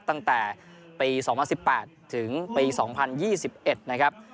ตั้งแต่ปีสองพันสิบแปดถึงปีสองพันยี่สิบเอ็ดนะครับ